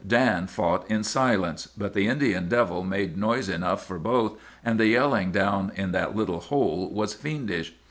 "'Dan fought in silence; but the Indian devil made noise enough for both, and the yelling down in that little hole was fiendish.